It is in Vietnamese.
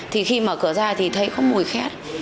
thì khi mở cửa ra thì thấy có mùi khét